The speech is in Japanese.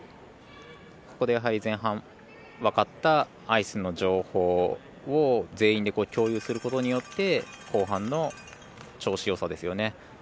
ここで前半、分かったアイスの情報を全員で共有することによって後半の調子よさですよね。